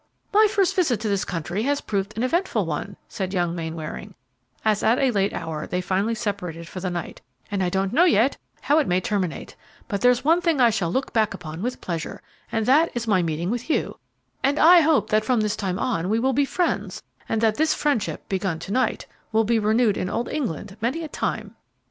"My first visit to this country has proved an eventful one," said young Mainwaring, as, at a late hour, they finally separated for the night, "and I don't know yet how it may terminate; but there's one thing I shall look back upon with pleasure, and that is my meeting with you; and I hope that from this time or we will be friends; and that this friendship, begun to night, will be renewed in old England many a time."